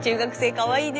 かわいい。